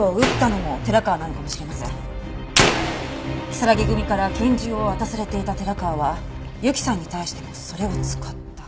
如月組から拳銃を渡されていた寺川は由紀さんに対してもそれを使った。